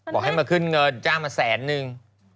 บอกให้มาขึ้นเงินจ้างมาแสนนึง